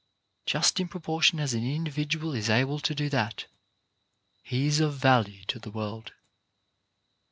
Just in proportion as an individual is able to do that, he is of value to the world.